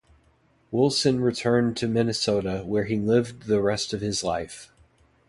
Woolson returned to Minnesota, where he lived the rest of his life.